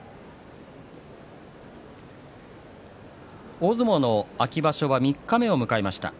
大相撲秋場所は三日目を迎えました。